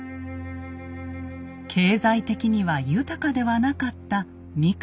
経済的には豊かではなかった三河。